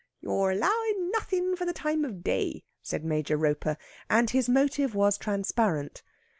"You're allowin' nothin' for the time of day," said Major Roper, and his motive was transparent.